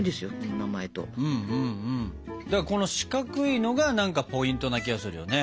この四角いのが何かポイントな気がするよね。